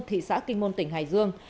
thị xã kinh môn tỉnh hải dương